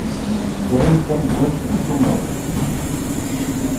Dderen tameddurt n tumert.